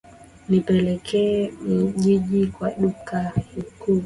Nipeleke jijini kwa duka kuu.